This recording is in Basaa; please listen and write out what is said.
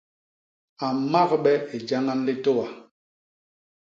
A mmagbe i jañañ litôa.